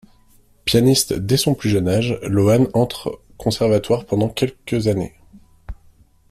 Pianiste dès son plus jeune âge, Loane entre conservatoire pendant quelques années.